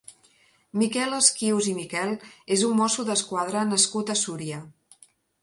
Miquel Esquius i Miquel és un mosso d'esquadra nascut a Súria.